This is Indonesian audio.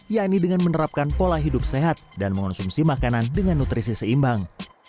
yakni dengan menerapkan pola hidup sehat dan mengonsumsi makanan dengan nutrisi seimbang